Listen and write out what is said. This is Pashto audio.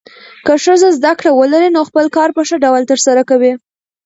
که ښځه زده کړه ولري، نو خپل کار په ښه ډول ترسره کوي.